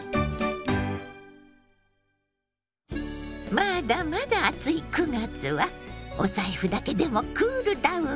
まだまだ暑い９月はお財布だけでもクールダウン！